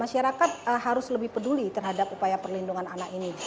maupun keluarga pengganti dan masyarakat harus lebih peduli terhadap upaya perlindungan anak ini